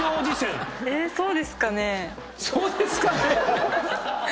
えそうですかね？